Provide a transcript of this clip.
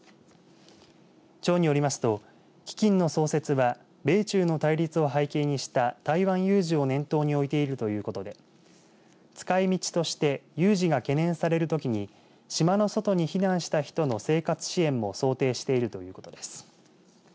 町によりますと基金の創設は米中の対立を背景にした台湾有事を念頭に置いているということで使いみちとして有事が懸念されるときに島の外に避難した人の生活支援も想定しているということです。